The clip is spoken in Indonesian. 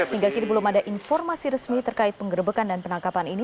hingga kini belum ada informasi resmi terkait penggerbekan dan penangkapan ini